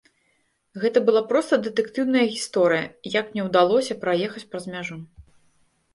Гэта была проста дэтэктыўная гісторыя, як мне ўдалося праехаць праз мяжу.